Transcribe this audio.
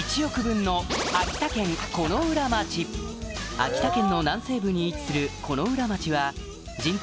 秋田県の南西部に位置する金浦町は人口